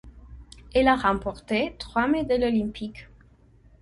Elle a remporté trois médailles olympiques.